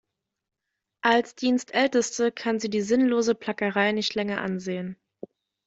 Als Dienstälteste kann sie die sinnlose Plackerei nicht länger ansehen.